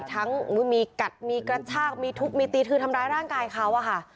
ทั้งมีกัดมีกระชากมีทุบมีตีคือทำร้ายร่างกายเขาอะค่ะ